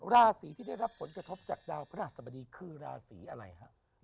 ราศีที่ได้รับผลคตบจากดาวพระนาศบดีคืออะไรครับ